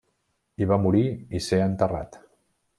Hi va morir i ser enterrat.